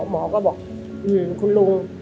หมอก็บอกคุณลุง